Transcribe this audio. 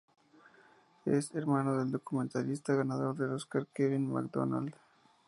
Es hermano del documentalista ganador del Óscar Kevin Macdonald.